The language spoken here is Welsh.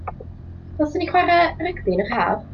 Ddylsen ni chwarae rygbi yn yr Haf?